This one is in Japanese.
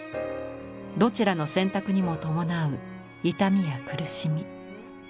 どちらの選択にも伴う痛みや苦しみ。